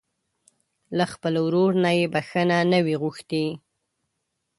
له خپل ورور نه يې بښته نه وي غوښتې.